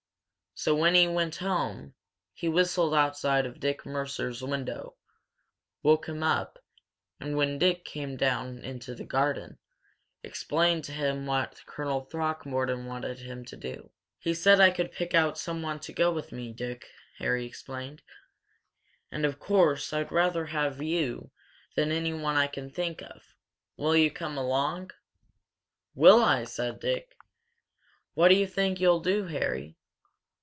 So when he went home, he whistled outside of Dick Mercer's window, woke him up, and, when Dick came down into the garden, explained to him what Colonel Throckmorton wanted them to do. "He said I could pick out someone to go with me, Dick," Harry explained. "And, of course, I'd rather have you than anyone I can think of. Will you come along?" "Will I!" said Dick. "What do you think you'll do, Harry?"